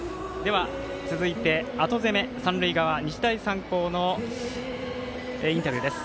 続いて後攻め、三塁側日大三高のインタビューです。